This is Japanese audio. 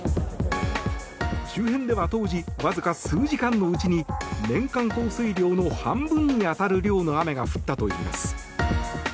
周辺では当時、わずか数時間のうちに年間降水量の半分に当たる量の雨が降ったといいます。